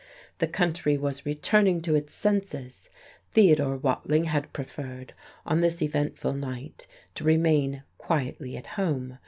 The country was returning to its senses. Theodore Watling had preferred, on this eventful night, to remain quietly at home.